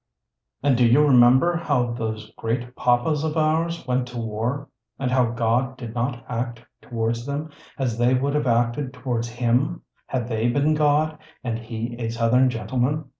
And do you remember how those great Papas of ours went to war? And how God did not act towards them as they would have acted towards Him, had they been God and He a Southern gentleman?